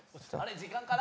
時間かな？